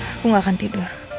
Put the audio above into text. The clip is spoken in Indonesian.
aku gak akan tidur